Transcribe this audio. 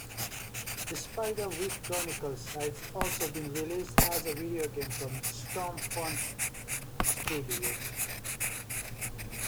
"The Spiderwick Chronicles" has also been released as a video game from Stormfront Studios.